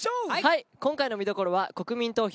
今回の見どころは国民投票！